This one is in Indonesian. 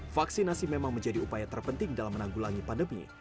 vaksinasi memang menjadi upaya terpenting dalam menanggulangi pandemi